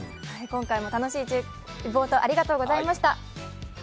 今回も楽しいリポート、ありがとうございました。